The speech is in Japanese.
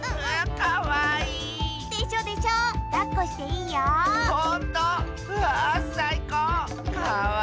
かわいいな。